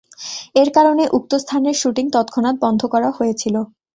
এর কারণে, উক্ত স্থানের শুটিং তৎক্ষণাৎ বন্ধ করা হয়েছিল।